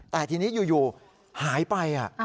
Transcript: แต่ทีนี้อยู่หายไป